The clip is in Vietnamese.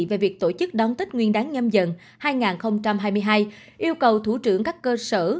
về việc tổ chức đón tết nguyên đáng nhâm dần hai nghìn hai mươi hai yêu cầu thủ trưởng các cơ sở